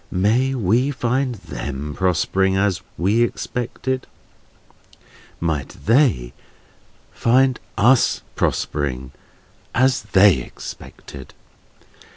Might we find them prospering as we expected; might they find us prospering as they expected!